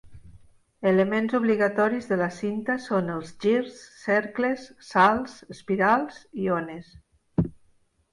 Elements obligatoris de la cinta són els girs, cercles, salts, espirals i ones.